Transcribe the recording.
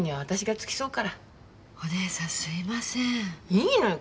いいのよ。